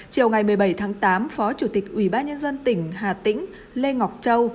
chiều ngày một mươi bảy tháng tám phó chủ tịch ubnd tỉnh hà tĩnh lê ngọc châu